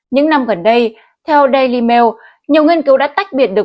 những năm gần đây theo daily mail nhiều nghiên cứu đã tách biệt được